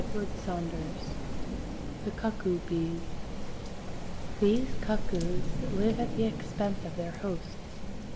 THE CUCKOO BEES These cuckoos live at the expense of their hosts.